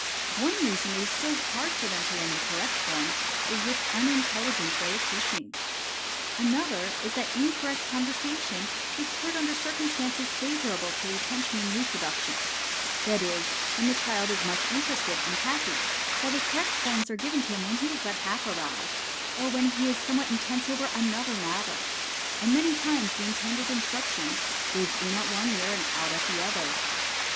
One reason it is so hard for them to learn the correct forms is this unintelligent way of teaching. Another is that the incorrect conversation is heard under circumstances favorable to retention and reproduction; that is, when the child is much interested and happy; while the correct forms are given him when he is but half aroused, or when he is somewhat intense over another matter, and many times the intended instruction goes in at one ear and out at the other.